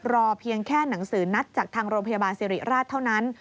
เพียงแค่หนังสือนัดจากทางโรงพยาบาลสิริราชเท่านั้น